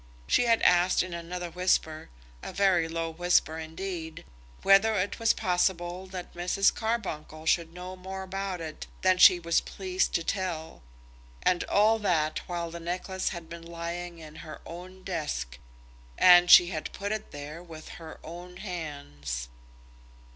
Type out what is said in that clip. She had asked in another whisper, a very low whisper indeed, whether it was possible that Mrs. Carbuncle should know more about it than she was pleased to tell? And all the while the necklace had been lying in her own desk, and she had put it there with her own hands!